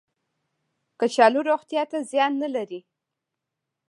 کچالو روغتیا ته زیان نه لري